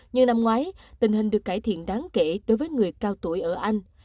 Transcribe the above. như năm ngoái tình hình được cải thiện đáng kể đối với người cao tuổi ở anh